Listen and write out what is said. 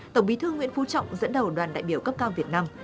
tổng bí thư nguyễn phú trọng dẫn đầu đoàn đại biểu cấp cao việt nam